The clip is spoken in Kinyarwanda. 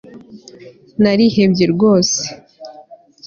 Narihebye rwose